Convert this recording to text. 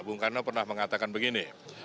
bung karno pernah mengatakan begini